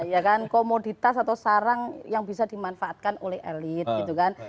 ya kan komoditas atau sarang yang bisa dimanfaatkan oleh elit gitu kan